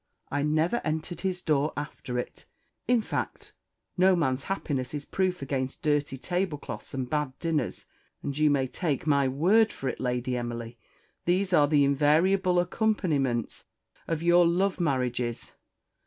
I never entered his door after it. In fact, no man's happiness is proof against dirty tablecloths and bad dinners; and you may take my word for it, Lady Emily, these are the invariable accompaniments of your love marriages."